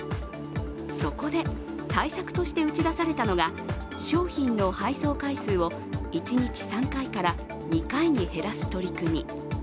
そこで対策として打ち出されたのが商品の配送回数を１日３回から２回に減らす取り組み。